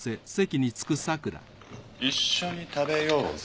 一緒に食べようぜ。